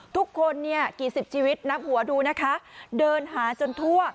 ทุกคนเนี่ยกี่สิบชีวิตนับหัวดูนะคะเดินหาจนทั่ว